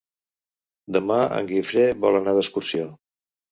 Demà en Guifré vol anar d'excursió.